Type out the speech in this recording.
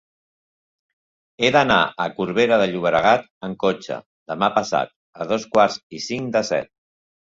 He d'anar a Corbera de Llobregat amb cotxe demà passat a dos quarts i cinc de set.